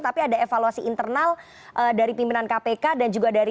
tapi ada evaluasi internal dari pimpinan kpk dan juga dari